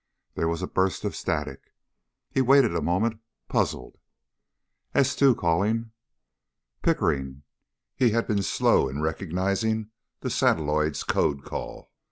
There was a burst of static. He waited a moment, puzzled. "S two calling...." Pickering! He had been slow in recognizing the satelloid's code call.